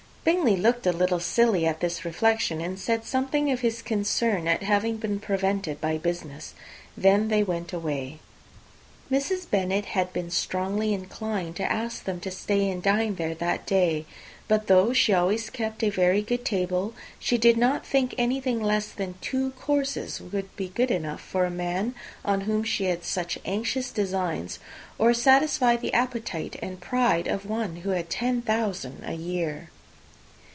Bingley looked a little silly at this reflection, and said something of his concern at having been prevented by business. They then went away. Mrs. Bennet had been strongly inclined to ask them to stay and dine there that day; but, though she always kept a very good table, she did not think anything less than two courses could be good enough for a man on whom she had such anxious designs, or satisfy the appetite and pride of one who had ten thousand a year.